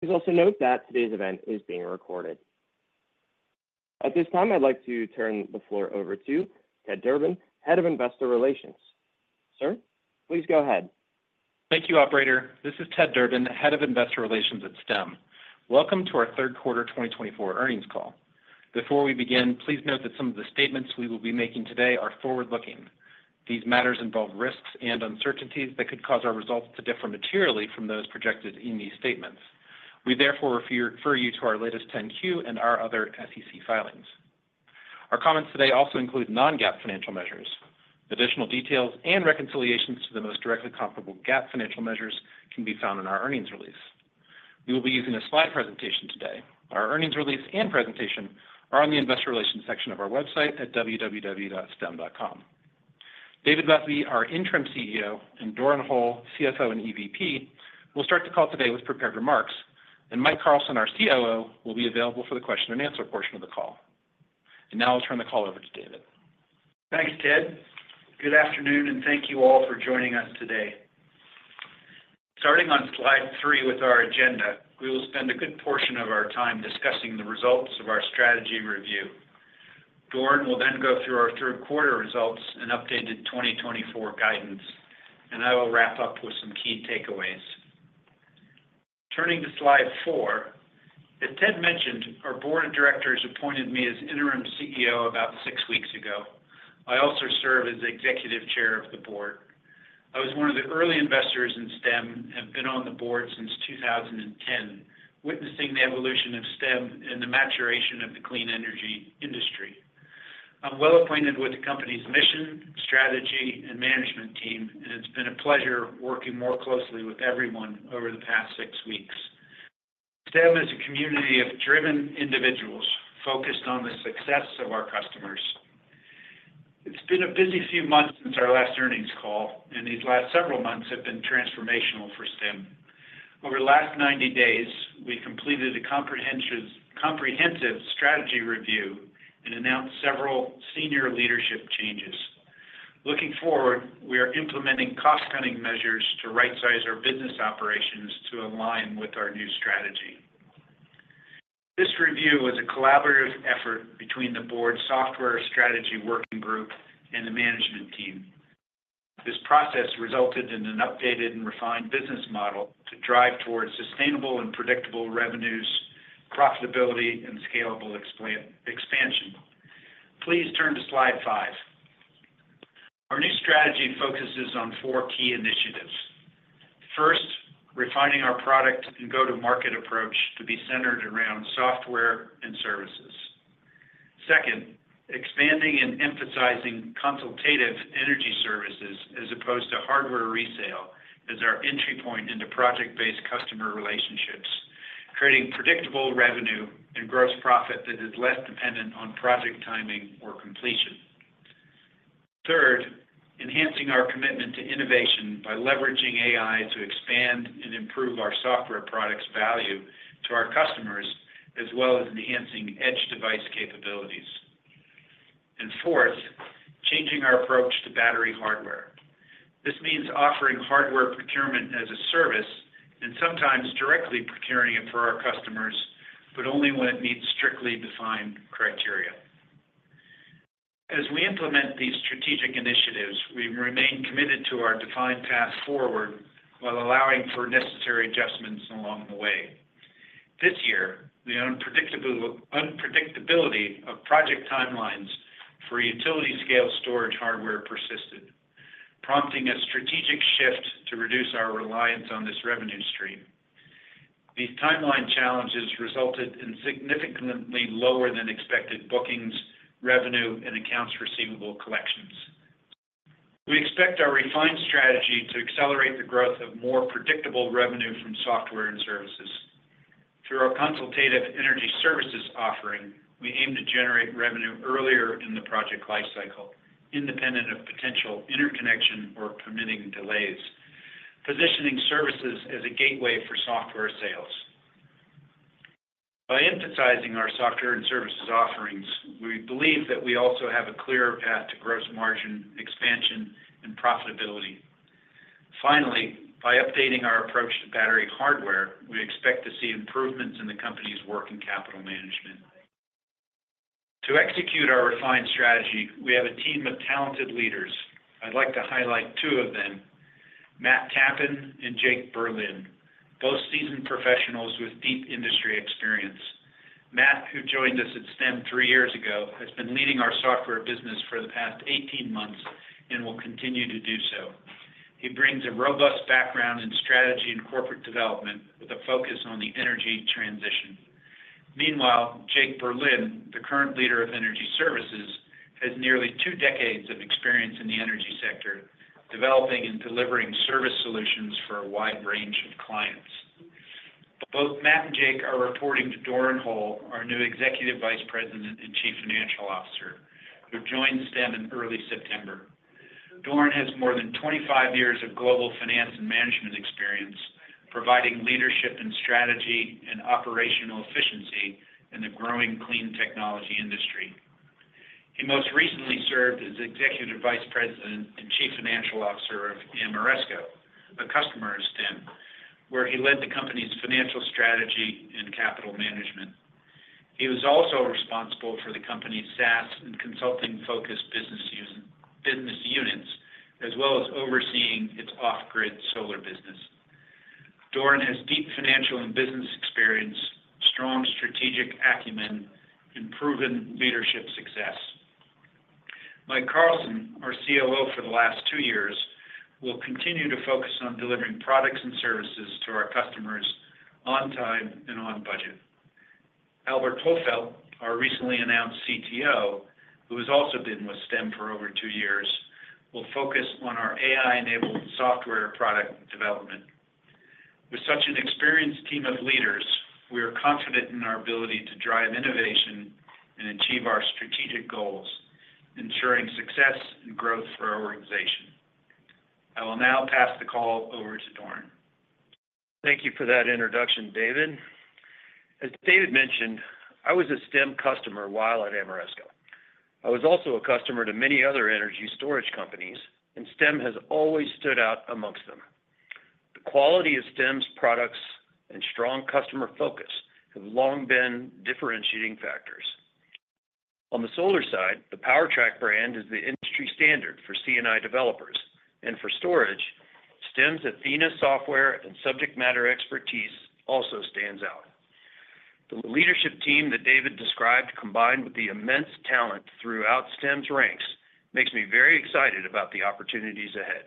Please also note that today's event is being recorded. At this time, I'd like to turn the floor over to Ted Durbin, Head of Investor Relations. Sir, please go ahead. Thank you, Operator. This is Ted Durbin, Head of Investor Relations at Stem. Welcome to our third quarter 2024 earnings call. Before we begin, please note that some of the statements we will be making today are forward-looking. These matters involve risks and uncertainties that could cause our results to differ materially from those projected in these statements. We therefore refer you to our latest 10-Q and our other SEC filings. Our comments today also include non-GAAP financial measures. Additional details and reconciliations to the most directly comparable GAAP financial measures can be found in our earnings release. We will be using a slide presentation today. Our earnings release and presentation are on the Investor Relations section of our website at www.stem.com. David Buzby, our Interim CEO, and Doran Hole, CFO and EVP, will start the call today with prepared remarks, and Mike Carlson, our COO, will be available for the question-and-answer portion of the call. And now I'll turn the call over to David. Thanks, Ted. Good afternoon, and thank you all for joining us today. Starting on slide three with our agenda, we will spend a good portion of our time discussing the results of our strategy review. Doran will then go through our third quarter results and updated 2024 guidance, and I will wrap up with some key takeaways. Turning to slide four, as Ted mentioned, our board of directors appointed me as interim CEO about six weeks ago. I also serve as Executive Chair of the Board. I was one of the early investors in Stem and have been on the board since 2010, witnessing the evolution of Stem and the maturation of the clean energy industry. I'm well acquainted with the company's mission, strategy, and management team, and it's been a pleasure working more closely with everyone over the past six weeks. Stem is a community of driven individuals focused on the success of our customers. It's been a busy few months since our last earnings call, and these last several months have been transformational for Stem. Over the last 90 days, we completed a comprehensive strategy review and announced several senior leadership changes. Looking forward, we are implementing cost-cutting measures to right-size our business operations to align with our new strategy. This review was a collaborative effort between the board's software strategy working group and the management team. This process resulted in an updated and refined business model to drive towards sustainable and predictable revenues, profitability, and scalable expansion. Please turn to slide five. Our new strategy focuses on four key initiatives. First, refining our product and go-to-market approach to be centered around software and services. Second, expanding and emphasizing consultative energy services as opposed to hardware resale as our entry point into project-based customer relationships, creating predictable revenue and gross profit that is less dependent on project timing or completion. Third, enhancing our commitment to innovation by leveraging AI to expand and improve our software product's value to our customers, as well as enhancing edge device capabilities. And fourth, changing our approach to battery hardware. This means offering hardware procurement as a service and sometimes directly procuring it for our customers, but only when it meets strictly defined criteria. As we implement these strategic initiatives, we remain committed to our defined path forward while allowing for necessary adjustments along the way. This year, the unpredictability of project timelines for utility-scale storage hardware persisted, prompting a strategic shift to reduce our reliance on this revenue stream. These timeline challenges resulted in significantly lower-than-expected bookings, revenue, and accounts receivable collections. We expect our refined strategy to accelerate the growth of more predictable revenue from software and services. Through our consultative energy services offering, we aim to generate revenue earlier in the project lifecycle, independent of potential interconnection or permitting delays, positioning services as a gateway for software sales. By emphasizing our software and services offerings, we believe that we also have a clearer path to gross margin expansion and profitability. Finally, by updating our approach to battery hardware, we expect to see improvements in the company's working capital management. To execute our refined strategy, we have a team of talented leaders. I'd like to highlight two of them: Matt Tappan and Jake Berlin, both seasoned professionals with deep industry experience. Matt, who joined us at Stem three years ago, has been leading our software business for the past 18 months and will continue to do so. He brings a robust background in strategy and corporate development with a focus on the energy transition. Meanwhile, Jake Berlin, the current leader of energy services, has nearly two decades of experience in the energy sector, developing and delivering service solutions for a wide range of clients. Both Matt and Jake are reporting to Doran Hole, our new Executive Vice President and Chief Financial Officer, who joined Stem in early September. Doran has more than 25 years of global finance and management experience, providing leadership and strategy and operational efficiency in the growing clean technology industry. He most recently served as Executive Vice President and Chief Financial Officer of Ameresco, a customer of Stem, where he led the company's financial strategy and capital management. He was also responsible for the company's SaaS and consulting-focused business units, as well as overseeing its off-grid solar business. Doran has deep financial and business experience, strong strategic acumen, and proven leadership success. Mike Carlson, our COO for the last two years, will continue to focus on delivering products and services to our customers on time and on budget. Albert Hofeldt, our recently announced CTO, who has also been with Stem for over two years, will focus on our AI-enabled software product development. With such an experienced team of leaders, we are confident in our ability to drive innovation and achieve our strategic goals, ensuring success and growth for our organization. I will now pass the call over to Doran. Thank you for that introduction, David. As David mentioned, I was a Stem customer while at Ameresco. I was also a customer to many other energy storage companies, and Stem has always stood out amongst them. The quality of Stem's products and strong customer focus have long been differentiating factors. On the solar side, the PowerTrack brand is the industry standard for C&I developers, and for storage, Stem's Athena software and subject matter expertise also stands out. The leadership team that David described, combined with the immense talent throughout Stem's ranks, makes me very excited about the opportunities ahead.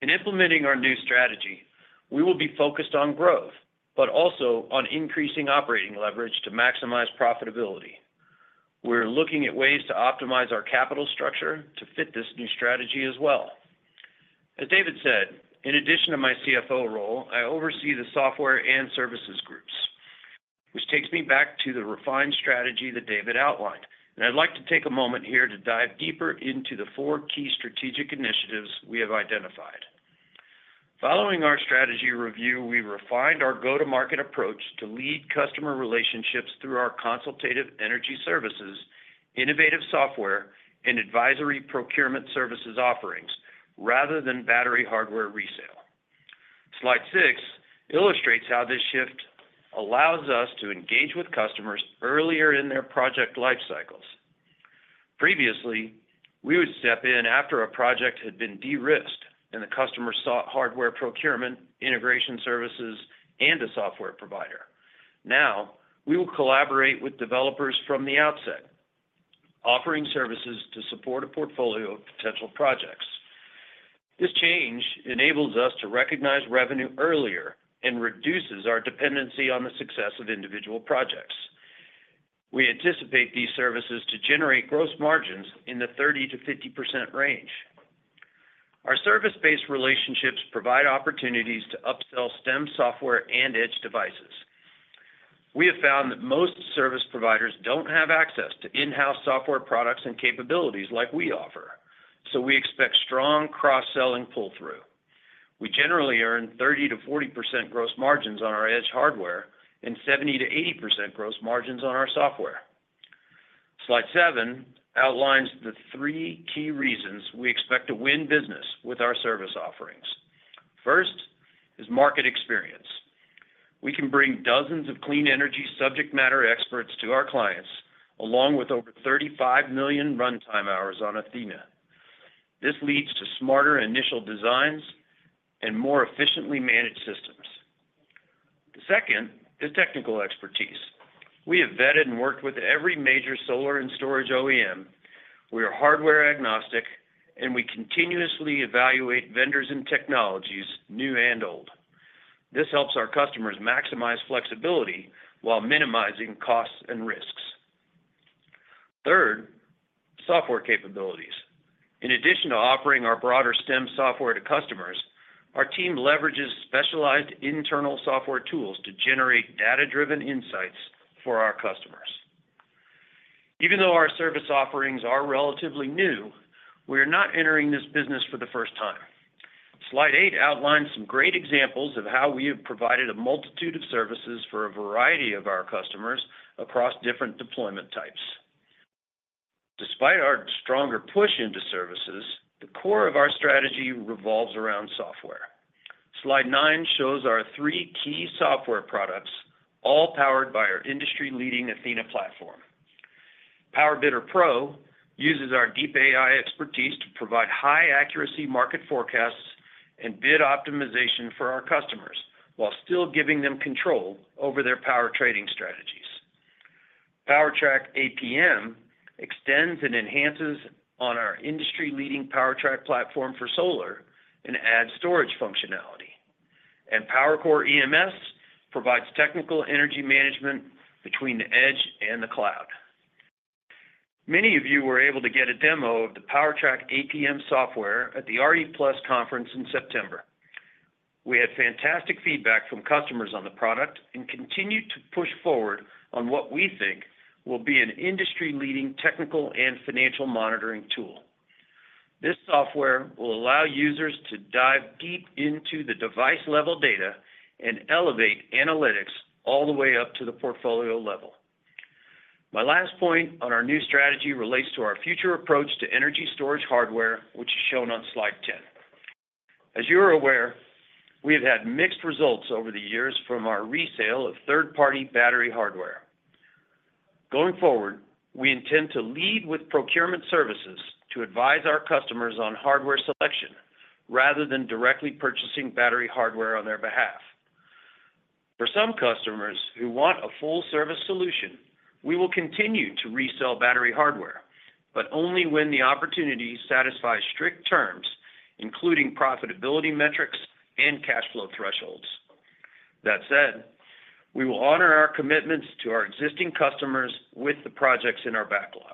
In implementing our new strategy, we will be focused on growth, but also on increasing operating leverage to maximize profitability. We're looking at ways to optimize our capital structure to fit this new strategy as well. As David said, in addition to my CFO role, I oversee the software and services groups, which takes me back to the refined strategy that David outlined, and I'd like to take a moment here to dive deeper into the four key strategic initiatives we have identified. Following our strategy review, we refined our go-to-market approach to lead customer relationships through our consultative energy services, innovative software, and advisory procurement services offerings, rather than battery hardware resale. Slide six illustrates how this shift allows us to engage with customers earlier in their project life cycles. Previously, we would step in after a project had been de-risked and the customer sought hardware procurement, integration services, and a software provider. Now, we will collaborate with developers from the outset, offering services to support a portfolio of potential projects. This change enables us to recognize revenue earlier and reduces our dependency on the success of individual projects. We anticipate these services to generate gross margins in the 30%-50% range. Our service-based relationships provide opportunities to upsell Stem software and edge devices. We have found that most service providers don't have access to in-house software products and capabilities like we offer, so we expect strong cross-selling pull-through. We generally earn 30%-40% gross margins on our edge hardware and 70%-80% gross margins on our software. Slide seven outlines the three key reasons we expect to win business with our service offerings. First is market experience. We can bring dozens of clean energy subject matter experts to our clients, along with over $35 million runtime hours on Athena. This leads to smarter initial designs and more efficiently managed systems. The second is technical expertise. We have vetted and worked with every major solar and storage OEM. We are hardware agnostic, and we continuously evaluate vendors and technologies, new and old. This helps our customers maximize flexibility while minimizing costs and risks. Third, software capabilities. In addition to offering our broader Stem software to customers, our team leverages specialized internal software tools to generate data-driven insights for our customers. Even though our service offerings are relatively new, we are not entering this business for the first time. Slide eight outlines some great examples of how we have provided a multitude of services for a variety of our customers across different deployment types. Despite our stronger push into services, the core of our strategy revolves around software. Slide nine shows our three key software products, all powered by our industry-leading Athena platform. PowerBidder Pro uses our deep AI expertise to provide high-accuracy market forecasts and bid optimization for our customers while still giving them control over their power trading strategies. PowerTrack APM extends and enhances on our industry-leading PowerTrack platform for solar and adds storage functionality. PowerCore EMS provides technical energy management between the edge and the cloud. Many of you were able to get a demo of the PowerTrack APM software at the RE+ conference in September. We had fantastic feedback from customers on the product and continue to push forward on what we think will be an industry-leading technical and financial monitoring tool. This software will allow users to dive deep into the device-level data and elevate analytics all the way up to the portfolio level. My last point on our new strategy relates to our future approach to energy storage hardware, which is shown on slide 10. As you're aware, we have had mixed results over the years from our resale of third-party battery hardware. Going forward, we intend to lead with procurement services to advise our customers on hardware selection rather than directly purchasing battery hardware on their behalf. For some customers who want a full-service solution, we will continue to resell battery hardware, but only when the opportunity satisfies strict terms, including profitability metrics and cash flow thresholds. That said, we will honor our commitments to our existing customers with the projects in our backlog.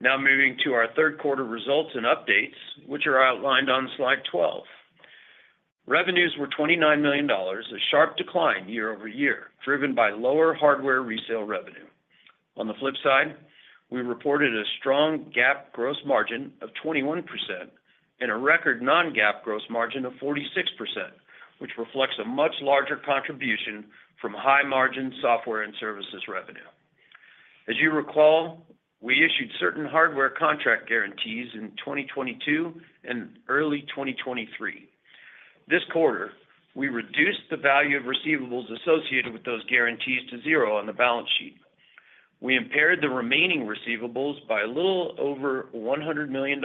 Now moving to our third-quarter results and updates, which are outlined on slide 12. Revenues were $29 million, a sharp decline year-over-year, driven by lower hardware resale revenue. On the flip side, we reported a strong GAAP gross margin of 21% and a record non-GAAP gross margin of 46%, which reflects a much larger contribution from high-margin software and services revenue. As you recall, we issued certain hardware contract guarantees in 2022 and early 2023. This quarter, we reduced the value of receivables associated with those guarantees to zero on the balance sheet. We impaired the remaining receivables by a little over $100 million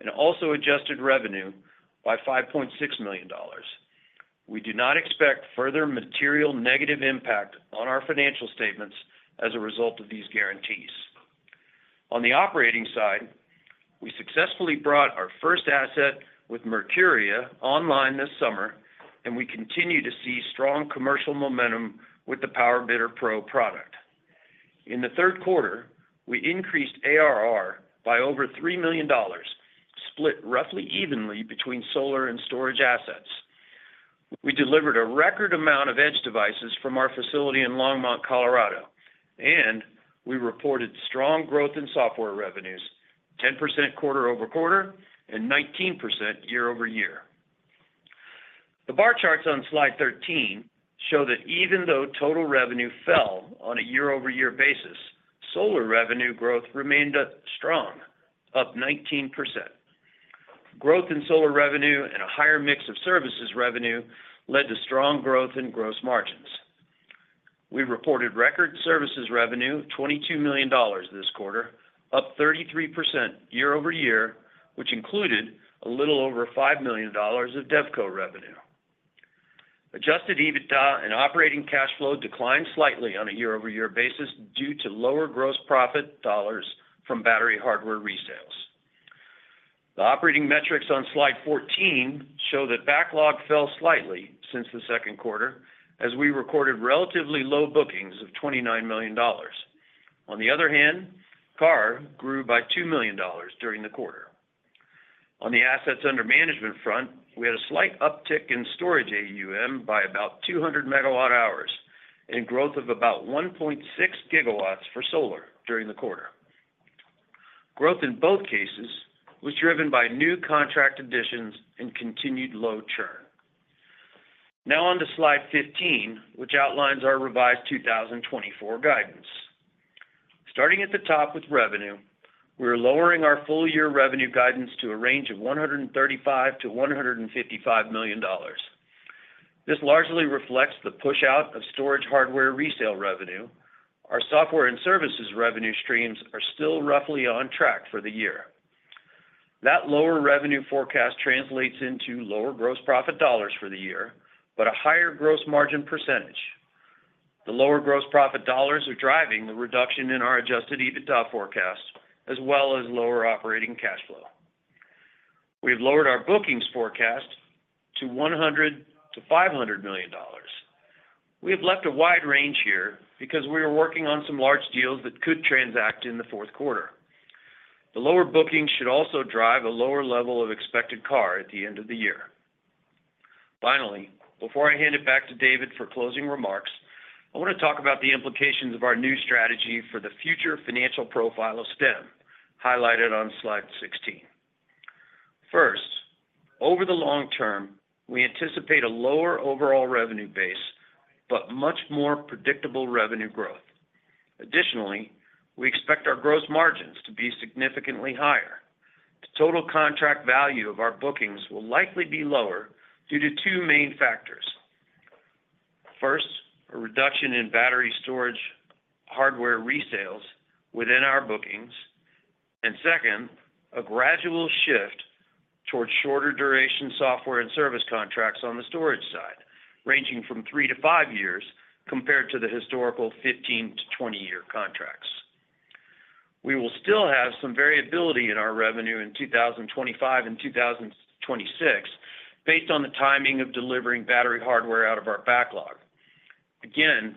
and also adjusted revenue by $5.6 million. We do not expect further material negative impact on our financial statements as a result of these guarantees. On the operating side, we successfully brought our first asset with Mercuria online this summer, and we continue to see strong commercial momentum with the PowerBidder Pro product. In the third quarter, we increased ARR by over $3 million, split roughly evenly between solar and storage assets. We delivered a record amount of edge devices from our facility in Longmont, Colorado, and we reported strong growth in software revenues, 10% quarter over quarter and 19% year-over-year. The bar charts on slide 13 show that even though total revenue fell on a year-over-year basis, solar revenue growth remained strong, up 19%. Growth in solar revenue and a higher mix of services revenue led to strong growth in gross margins. We reported record services revenue, $22 million this quarter, up 33% year-over-year, which included a little over $5 million of DevCo revenue. Adjusted EBITDA and operating cash flow declined slightly on a year-over-year basis due to lower gross profit dollars from battery hardware resales. The operating metrics on slide 14 show that backlog fell slightly since the second quarter, as we recorded relatively low bookings of $29 million. On the other hand, CAR grew by $2 million during the quarter. On the assets under management front, we had a slight uptick in storage AUM by about 200 megawatt-hours and growth of about 1.6 gigawatts for solar during the quarter. Growth in both cases was driven by new contract additions and continued low churn. Now on to slide 15, which outlines our revised 2024 guidance. Starting at the top with revenue, we are lowering our full-year revenue guidance to a range of $135 to 155 million. This largely reflects the push-out of storage hardware resale revenue. Our software and services revenue streams are still roughly on track for the year. That lower revenue forecast translates into lower gross profit dollars for the year, but a higher gross margin percentage. The lower gross profit dollars are driving the reduction in our adjusted EBITDA forecast, as well as lower operating cash flow. We have lowered our bookings forecast to $100 to 500 million. We have left a wide range here because we are working on some large deals that could transact in the fourth quarter. The lower bookings should also drive a lower level of expected CAR at the end of the year. Finally, before I hand it back to David for closing remarks, I want to talk about the implications of our new strategy for the future financial profile of Stem, highlighted on slide 16. First, over the long term, we anticipate a lower overall revenue base, but much more predictable revenue growth. Additionally, we expect our gross margins to be significantly higher. The total contract value of our bookings will likely be lower due to two main factors. First, a reduction in battery storage hardware resales within our bookings, and second, a gradual shift towards shorter-duration software and service contracts on the storage side, ranging from three to five years compared to the historical 15- to 20-year contracts. We will still have some variability in our revenue in 2025 and 2026 based on the timing of delivering battery hardware out of our backlog. Again,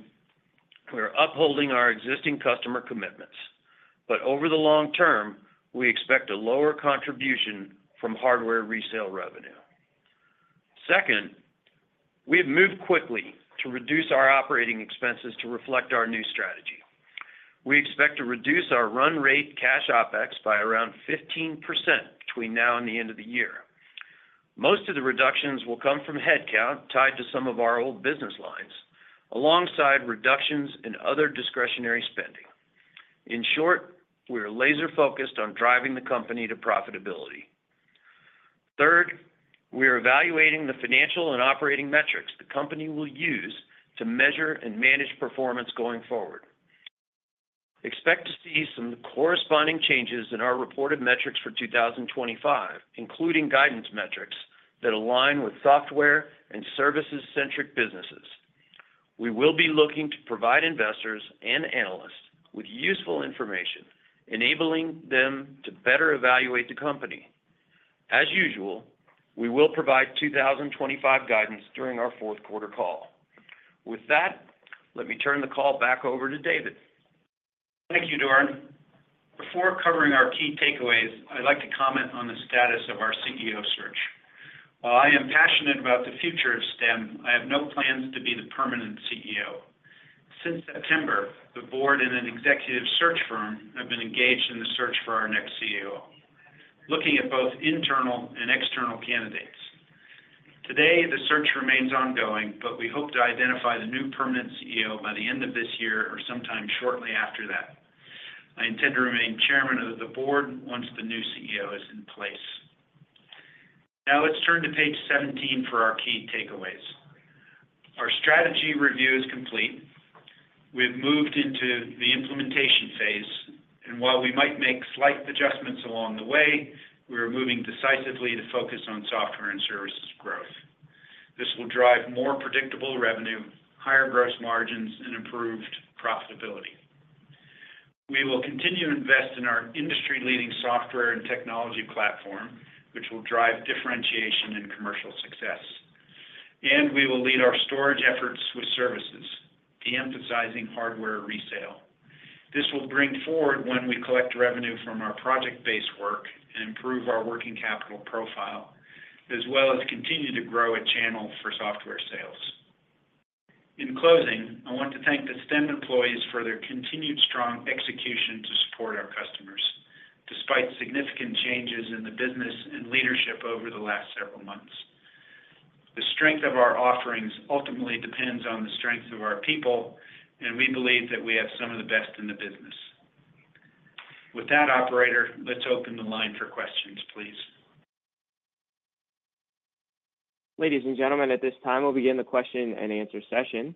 we are upholding our existing customer commitments, but over the long term, we expect a lower contribution from hardware resale revenue. Second, we have moved quickly to reduce our operating expenses to reflect our new strategy. We expect to reduce our run rate cash Opex by around 15% between now and the end of the year. Most of the reductions will come from headcount tied to some of our old business lines, alongside reductions in other discretionary spending. In short, we are laser-focused on driving the company to profitability. Third, we are evaluating the financial and operating metrics the company will use to measure and manage performance going forward. Expect to see some corresponding changes in our reported metrics for 2025, including guidance metrics that align with software and services-centric businesses. We will be looking to provide investors and analysts with useful information, enabling them to better evaluate the company. As usual, we will provide 2025 guidance during our fourth-quarter call. With that, let me turn the call back over to David. Thank you, Doran. Before covering our key takeaways, I'd like to comment on the status of our CEO search. While I am passionate about the future of Stem, I have no plans to be the permanent CEO. Since September, the board and an executive search firm have been engaged in the search for our next CEO, looking at both internal and external candidates. Today, the search remains ongoing, but we hope to identify the new permanent CEO by the end of this year or sometime shortly after that. I intend to remain chairman of the board once the new CEO is in place. Now let's turn to page 17 for our key takeaways. Our strategy review is complete. We have moved into the implementation phase, and while we might make slight adjustments along the way, we are moving decisively to focus on software and services growth. This will drive more predictable revenue, higher gross margins, and improved profitability. We will continue to invest in our industry-leading software and technology platform, which will drive differentiation and commercial success. And we will lead our storage efforts with services, de-emphasizing hardware resale. This will bring forward when we collect revenue from our project-based work and improve our working capital profile, as well as continue to grow a channel for software sales. In closing, I want to thank the Stem employees for their continued strong execution to support our customers, despite significant changes in the business and leadership over the last several months. The strength of our offerings ultimately depends on the strength of our people, and we believe that we have some of the best in the business. With that, Operator, let's open the line for questions, please. Ladies and gentlemen, at this time, we'll begin the question and answer session.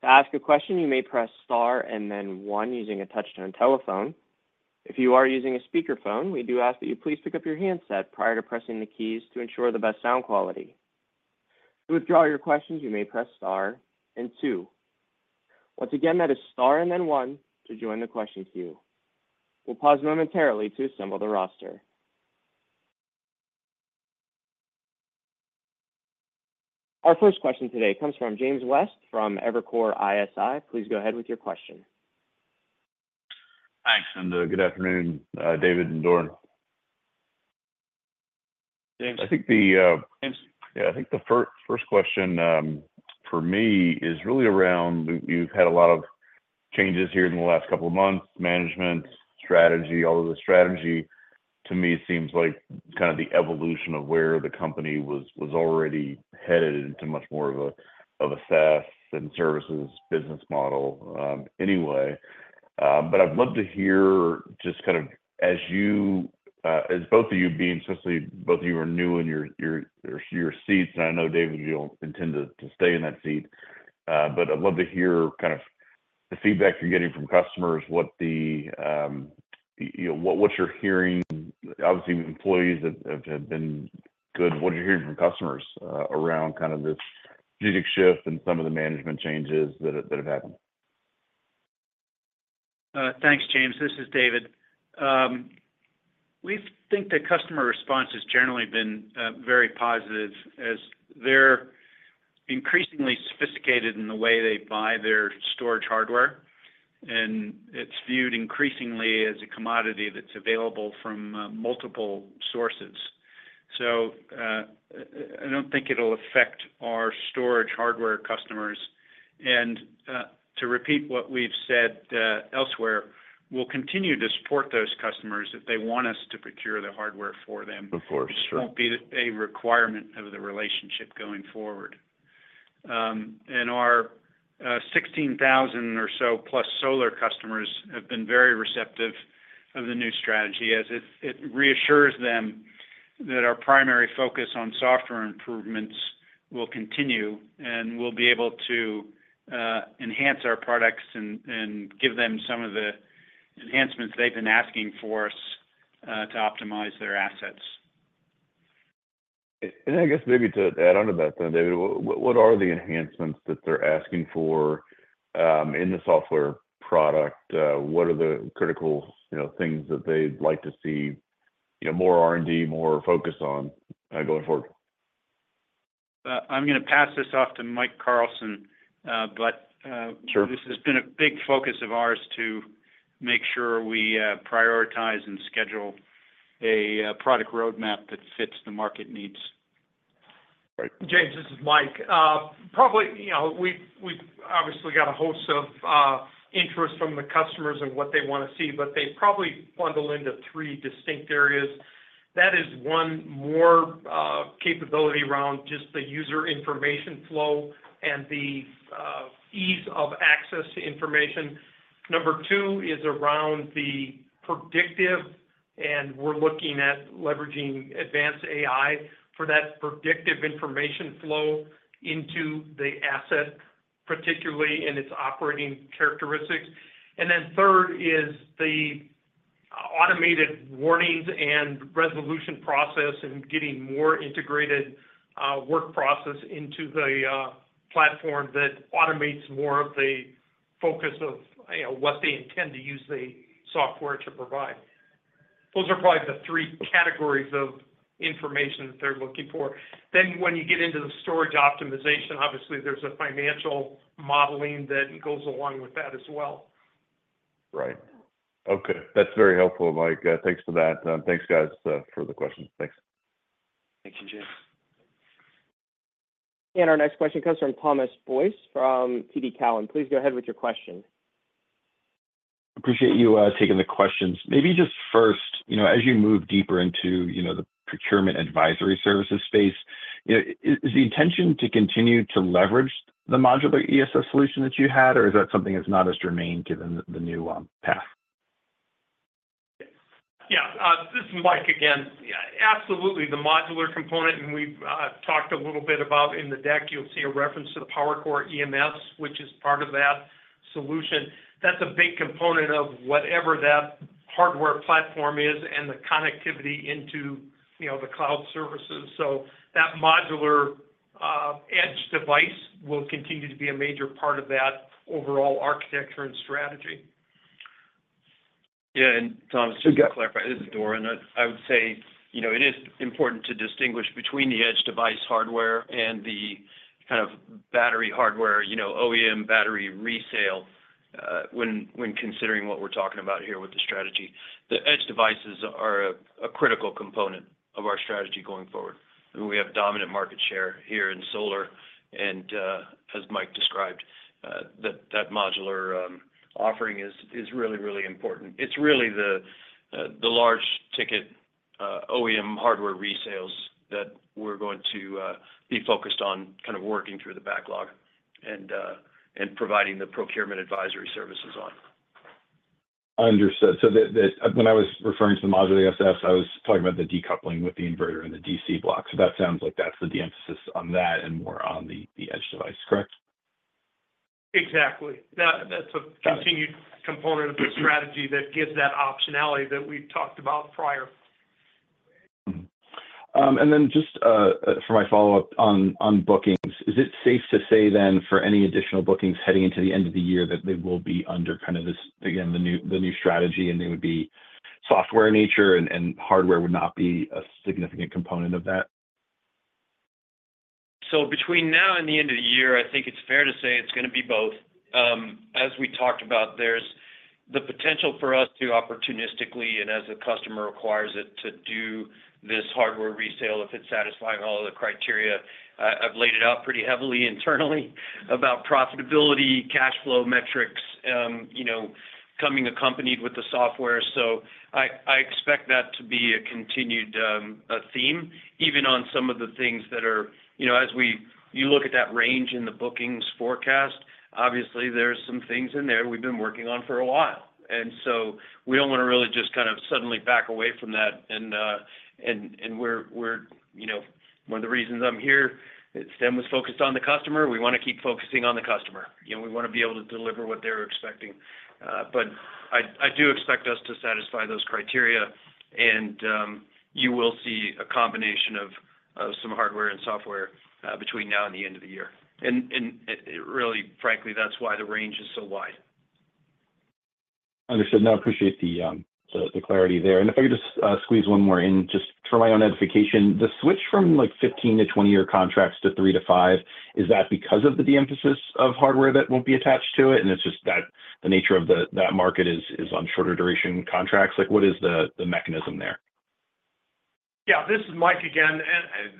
To ask a question, you may press star and then one using a touch-tone telephone. If you are using a speakerphone, we do ask that you please pick up your handset prior to pressing the keys to ensure the best sound quality. To withdraw your questions, you may press star and two. Once again, that is star and then one to join the question queue. We'll pause momentarily to assemble the roster. Our first question today comes from James West from Evercore ISI. Please go ahead with your question. Thanks, and good afternoon, David and Doran. James. Yeah, I think the first question for me is really around you've had a lot of changes here in the last couple of months: management, strategy, all of the strategy. To me, it seems like kind of the evolution of where the company was already headed into much more of a SaaS and services business model anyway. But I'd love to hear just kind of as you—as both of you being—especially both of you are new in your seats, and I know, David, you don't intend to stay in that seat. But I'd love to hear kind of the feedback you're getting from customers, what you're hearing. Obviously, employees have been good. What are you hearing from customers around kind of this strategic shift and some of the management changes that have happened? Thanks, James. This is David. We think the customer response has generally been very positive, as they're increasingly sophisticated in the way they buy their storage hardware, and it's viewed increasingly as a commodity that's available from multiple sources. So I don't think it'll affect our storage hardware customers. And to repeat what we've said elsewhere, we'll continue to support those customers if they want us to procure the hardware for them. Of course. This won't be a requirement of the relationship going forward. And our 16,000 or so plus solar customers have been very receptive of the new strategy, as it reassures them that our primary focus on software improvements will continue and we'll be able to enhance our products and give them some of the enhancements they've been asking for us to optimize their assets. And I guess maybe to add on to that, David, what are the enhancements that they're asking for in the software product? What are the critical things that they'd like to see more R&D, more focus on going forward? I'm going to pass this off to Mike Carlson, but this has been a big focus of ours to make sure we prioritize and schedule a product roadmap that fits the market needs. James, this is Mike. Probably we've obviously got a host of interests from the customers and what they want to see, but they probably bundle into three distinct areas. That is one more capability around just the user information flow and the ease of access to information. Number two is around the predictive, and we're looking at leveraging advanced AI for that predictive information flow into the asset, particularly in its operating characteristics. And then third is the automated warnings and resolution process and getting more integrated work process into the platform that automates more of the focus of what they intend to use the software to provide. Those are probably the three categories of information that they're looking for. Then when you get into the storage optimization, obviously there's a financial modeling that goes along with that as well. Right. Okay. That's very helpful, Mike. Thanks for that. Thanks, guys, for the questions. Thanks. Thank you, James. And our next question comes from Thomas Boyce from TD Cowen. Please go ahead with your question. Appreciate you taking the questions. Maybe just first, as you move deeper into the procurement advisory services space, is the intention to continue to leverage the modular ESS solution that you had, or is that something that's not as germane given the new path? Yeah. This is Mike again. Absolutely, the modular component, and we've talked a little bit about in the deck, you'll see a reference to the PowerCore EMS, which is part of that solution. That's a big component of whatever that hardware platform is and the connectivity into the cloud services. So that modular edge device will continue to be a major part of that overall architecture and strategy. Yeah. And Thomas, just to clarify, this is Doran. I would say it is important to distinguish between the edge device hardware and the kind of battery hardware, OEM battery resale, when considering what we're talking about here with the strategy. The edge devices are a critical component of our strategy going forward. We have dominant market share here in solar. And as Mike described, that modular offering is really, really important. It's really the large ticket OEM hardware resales that we're going to be focused on kind of working through the backlog and providing the procurement advisory services on. Understood. So when I was referring to the modular ESS, I was talking about the decoupling with the inverter and the DC block. So that sounds like that's the emphasis on that and more on the edge device, correct? Exactly. That's a continued component of the strategy that gives that optionality that we've talked about prior. Then just for my follow-up on bookings, is it safe to say then for any additional bookings heading into the end of the year that they will be under kind of this, again, the new strategy, and they would be software in nature and hardware would not be a significant component of that? Between now and the end of the year, I think it's fair to say it's going to be both. As we talked about, there's the potential for us to opportunistically and as a customer requires it to do this hardware resale if it's satisfying all of the criteria. I've laid it out pretty heavily internally about profitability, cash flow metrics, coming accompanied with the software. So I expect that to be a continued theme, even on some of the things that are as you look at that range in the bookings forecast, obviously there's some things in there we've been working on for a while. And so we don't want to really just kind of suddenly back away from that. And one of the reasons I'm here, Stem was focused on the customer. We want to keep focusing on the customer. We want to be able to deliver what they're expecting. But I do expect us to satisfy those criteria, and you will see a combination of some hardware and software between now and the end of the year. And really, frankly, that's why the range is so wide. Understood. And I appreciate the clarity there. And if I could just squeeze one more in just for my own edification, the switch from 15- to 20-year contracts to three to five, is that because of the emphasis of hardware that won't be attached to it? And it's just that the nature of that market is on shorter duration contracts. What is the mechanism there? Yeah. This is Mike again.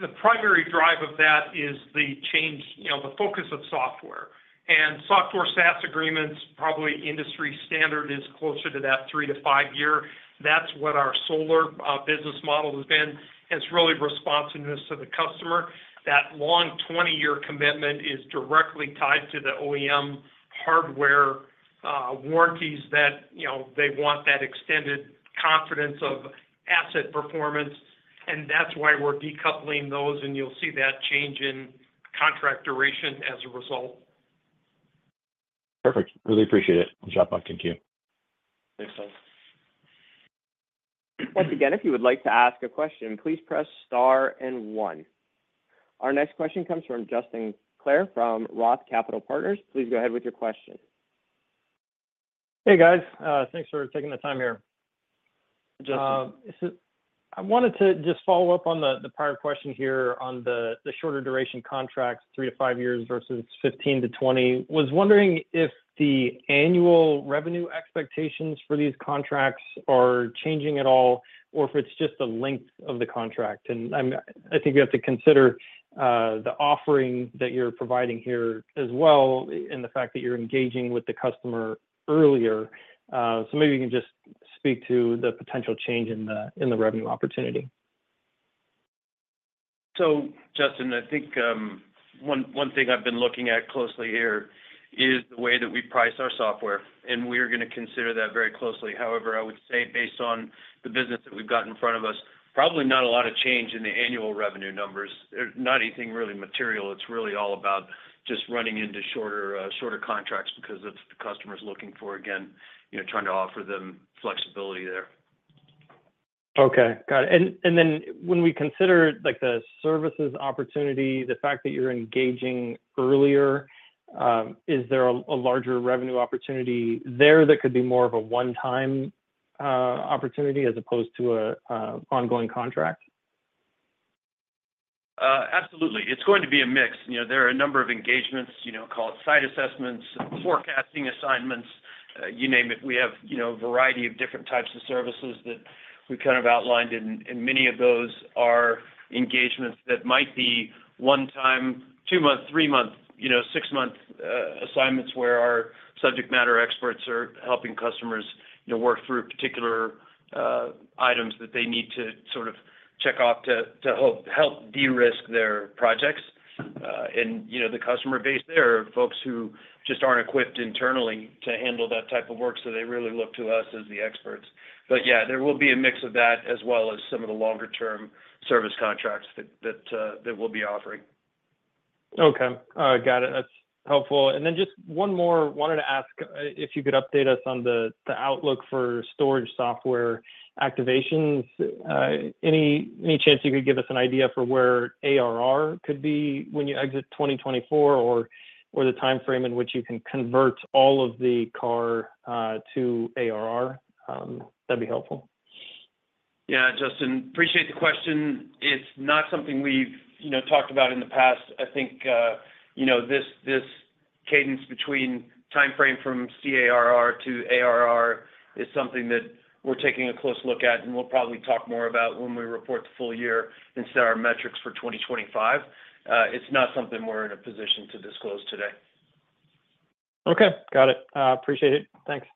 The primary drive of that is the change, the focus of software. And software SaaS agreements, probably industry standard is closer to that three- to five-year. That's what our solar business model has been. It's really responsiveness to the customer. That long 20-year commitment is directly tied to the OEM hardware warranties that they want that extended confidence of asset performance. And that's why we're decoupling those, and you'll see that change in contract duration as a result. Perfect. Really appreciate it. I'll drop off. Thank you. Thanks, guys. Once again, if you would like to ask a question, please press star and one. Our next question comes from Justin Clare from Roth Capital Partners. Please go ahead with your question. Hey, guys. Thanks for taking the time here. Justin. I wanted to just follow up on the prior question here on the shorter duration contracts, three to five years versus 15 to 20. I was wondering if the annual revenue expectations for these contracts are changing at all, or if it is just the length of the contract. And I think we have to consider the offering that you are providing here as well and the fact that you are engaging with the customer earlier. So maybe you can just speak to the potential change in the revenue opportunity. So, Justin, I think one thing I've been looking at closely here is the way that we price our software. And we are going to consider that very closely. However, I would say based on the business that we've got in front of us, probably not a lot of change in the annual revenue numbers. Not anything really material. It's really all about just running into shorter contracts because that's what the customer is looking for, again, trying to offer them flexibility there. Okay. Got it. And then when we consider the services opportunity, the fact that you're engaging earlier, is there a larger revenue opportunity there that could be more of a one-time opportunity as opposed to an ongoing contract? Absolutely. It's going to be a mix. There are a number of engagements, call it site assessments, forecasting assignments, you name it. We have a variety of different types of services that we've kind of outlined, and many of those are engagements that might be one-time, two-month, three-month, six-month assignments where our subject matter experts are helping customers work through particular items that they need to sort of check off to help de-risk their projects, and the customer base there are folks who just aren't equipped internally to handle that type of work, so they really look to us as the experts, but yeah, there will be a mix of that as well as some of the longer-term service contracts that we'll be offering. Okay. Got it. That's helpful, and then just one more. I wanted to ask if you could update us on the outlook for storage software activations. Any chance you could give us an idea for where ARR could be when you exit 2024 or the time frame in which you can convert all of the CARR to ARR? That'd be helpful. Yeah, Justin. Appreciate the question. It's not something we've talked about in the past. I think this cadence between time frame from CARR to ARR is something that we're taking a close look at, and we'll probably talk more about when we report the full year instead of our metrics for 2025. It's not something we're in a position to disclose today. Okay. Got it. Appreciate it. Thanks.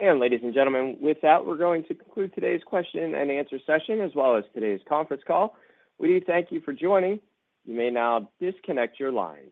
And ladies and gentlemen, with that, we're going to conclude today's question and answer session as well as today's conference call. We thank you for joining. You may now disconnect your lines.